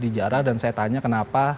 dijarah dan saya tanya kenapa